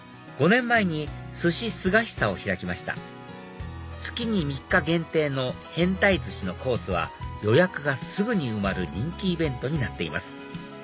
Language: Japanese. ５年前に鮨すがひさを開きました月に３日限定の変タイ鮨のコースは予約がすぐに埋まる人気イベントになっています